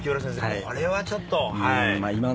これはちょっと。